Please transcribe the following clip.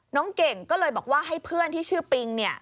น้องเก่งก็เลยบอกว่าให้เพื่อนที่ชื่อปิง